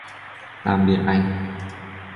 tạm biệt anh